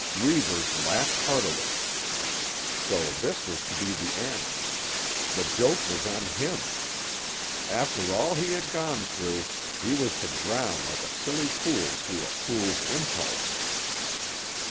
Reivers laughed heartily. So this was to be the end! The joke was on him. After all he had gone through, he was to drown like a silly fool through a fool's impulse.